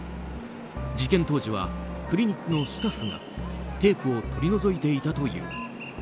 事件当時はクリニックのスタッフがテープを取り除いていたという。